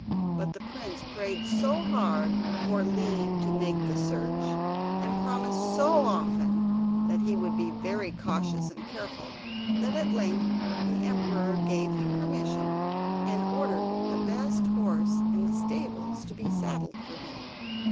But the prince prayed so hard for leave to make the search, and promised so often that he would be very cautious and careful, that at length the emperor gave him permission, and ordered the best horse in the stables to be saddled for him.